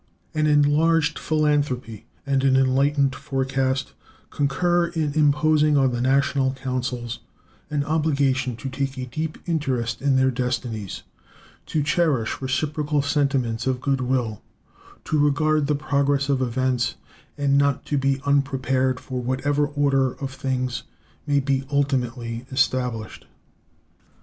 An enlarged philanthropy and an enlightened forecast concur in imposing on the national councils an obligation to take a deep interest in their destinies, to cherish reciprocal sentiments of good will, to regard the progress of events, and not to be unprepared for whatever order of things may be ultimately established.